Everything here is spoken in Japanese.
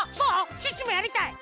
シュッシュもやりたい！